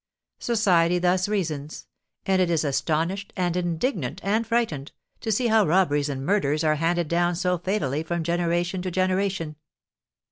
Society thus reasons; and it is astonished, and indignant, and frightened, to see how robberies and murders are handed down so fatally from generation to generation.